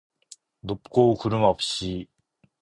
높고 구름 없이